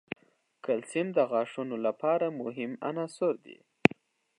کلسیم د غاښونو لپاره مهم عنصر دی.